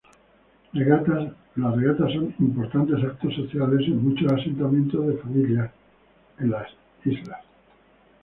Regatas son importantes eventos sociales en muchos asentamientos de familias isla.